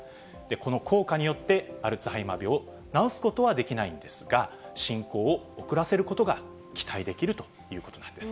この効果によって、アルツハイマー病を治すことはできないんですが、進行を遅らせることが期待できるということなんです。